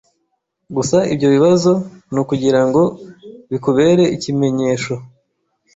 Gusa ibyo bibazo ni ukugira ngo bikubere ikimenyesho